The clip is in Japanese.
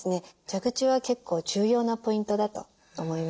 蛇口は結構重要なポイントだと思いますね。